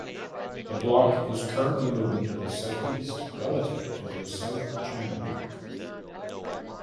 The block is currently moving to the southeast relative to the South China block.